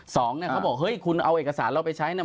สองเนี่ยเขาบอกเฮ้ยคุณเอาเอกสารเราไปใช้เนี่ย